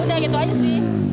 udah gitu aja sih